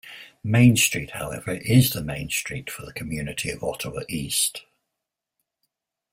Main Street however is the "main street" for the community of Ottawa East.